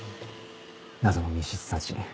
謎の密室殺人。